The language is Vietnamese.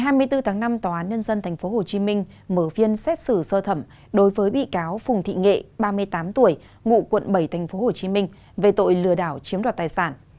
ngày hai mươi bốn tháng năm tòa án nhân dân tp hcm mở phiên xét xử sơ thẩm đối với bị cáo phùng thị nghệ ba mươi tám tuổi ngụ quận bảy tp hcm về tội lừa đảo chiếm đoạt tài sản